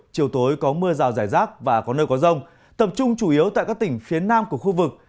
chiều tối có mưa rào rải rác và có nơi có rông tập trung chủ yếu tại các tỉnh phía nam của khu vực